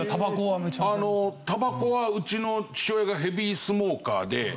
タバコはうちの父親がヘビースモーカーで。